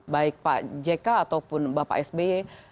baik pak jk ataupun bapak sby